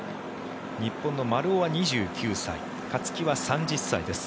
日本の丸尾は２９歳勝木は３０歳です。